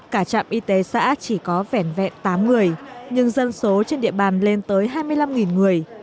cả trạm y tế xã chỉ có vẻn vẹn tám người nhưng dân số trên địa bàn lên tới hai mươi năm người